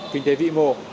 kinh tế vĩ mô